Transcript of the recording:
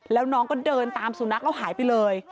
แล้วน้องก็เดินตามสุนัขแล้วหายไปเลย